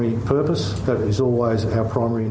itu selalu tujuan utama kami